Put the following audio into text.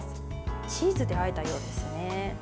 チーズであえたようですね。